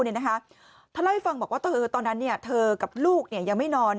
เท่ารายไปฟังบอกว่าเธอกับลูกยังไม่นอน